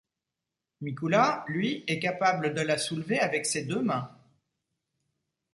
Mikoula lui est capable de la soulever avec ses deux mains.